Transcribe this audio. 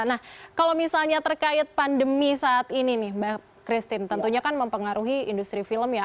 nah kalau misalnya terkait pandemi saat ini nih mbak christine tentunya kan mempengaruhi industri film ya